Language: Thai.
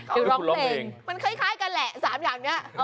คือร้องเพลงมันคล้ายกันแหละ๓อย่างนี้